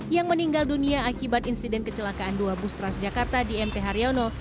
yang meninggal dunia akibat insiden kecelakaan dua bus transjakarta di mt haryono